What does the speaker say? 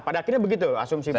pada akhirnya begitu asumsi itu